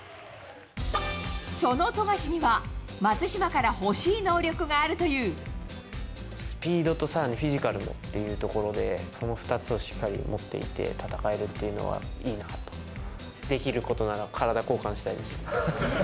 その富樫には、スピードと、さらにフィジカルもっていうところで、その２つをしっかり持っていて戦えるっていうのはいいなって。できることなら、体、交換したいです。